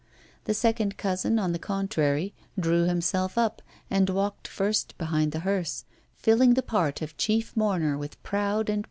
The second cousin, on the contrary, drew himself up and walked first behind the hearse, filling the part of chief mourner with proud and pleasant fitness.